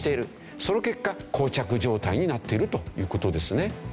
その結果膠着状態になっているという事ですね。